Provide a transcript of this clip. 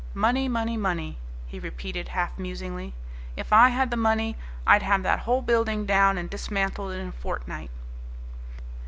Money, money, money," he repeated half musingly. "If I had the money I'd have that whole building down and dismantled in a fortnight."